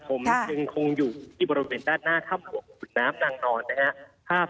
ผมยังคงอยู่ที่บริเวณด้านหน้าถ้ำหลวงขุนน้ำนางนอนนะครับ